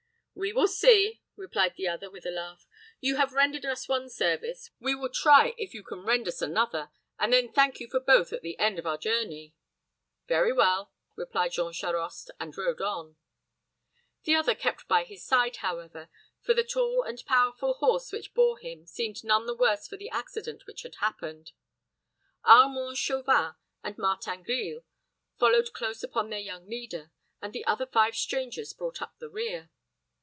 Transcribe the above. "We will see," replied the other, with a laugh; "you have rendered us one service, we will try if you can render us another, and then thank you for both at the end of our journey." "Very well," replied Jean Charost, and rode on. The other kept by his side, however; for the tall and powerful horse which bore him seemed none the worse for the accident which had happened. Armand Chauvin and Martin Grille followed close upon their young leader, and the other five strangers brought up the rear.